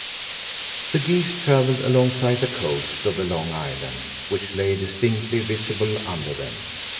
The geese travelled alongside the coast of the long island, which lay distinctly visible under them.